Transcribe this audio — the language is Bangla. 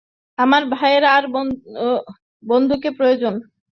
আমার ভাইয়ের, তার বন্ধুকে প্রয়োজন।